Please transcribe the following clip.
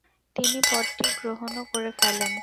তিনি পদটি গ্রহণও করে ফেলেন।